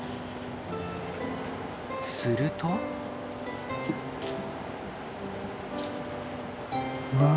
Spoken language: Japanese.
すると。わ。